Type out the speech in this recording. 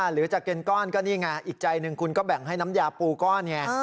หรือจะเป็นก้อนก็นี่ไงอีกใจหนึ่งคุณก็แบ่งให้น้ำยาปูก้อนไง